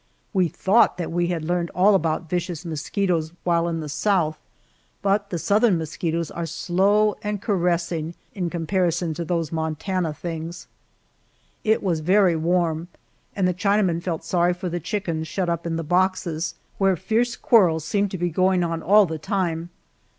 We thought that we had learned all about vicious mosquitoes while in the South, but the Southern mosquitoes are slow and caressing in comparison to those Montana things. It was very warm, and the Chinaman felt sorry for the chickens shut up in the boxes, where fierce quarrels seemed to be going on all the time.